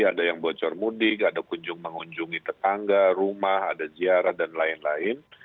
ada yang bocor mudik ada kunjung mengunjungi tetangga rumah ada ziarah dan lain lain